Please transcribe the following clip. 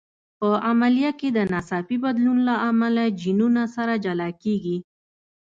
په عملیه کې د ناڅاپي بدلون له امله جینونه سره جلا کېږي.